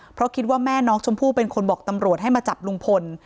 เพราะคิดว่าแม่น้องชมพู่เป็นคนบอกตำรวจให้มาจับลุงพล